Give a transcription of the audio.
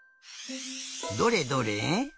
どれどれ。